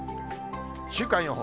週間予報。